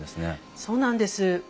そうなんです。